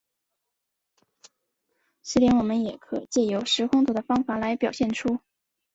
此点我们也可藉由时空图的方法来表现出。